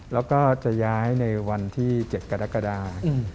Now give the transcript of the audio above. แล้วก็จะย้ายในวันที่๗กรกฎา